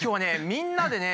みんなでね